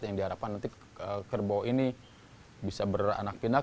yang diharapkan nanti kerbau ini bisa beranak pinak